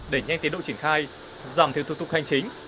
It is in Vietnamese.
để nhanh tiến đội triển khai giảm thiếu thủ tục hành chính